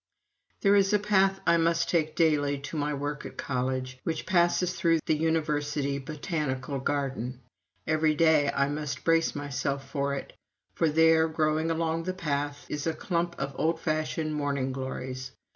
There is a path I must take daily to my work at college, which passes through the University Botanical Garden. Every day I must brace myself for it, for there, growing along the path, is a clump of old fashioned morning glories.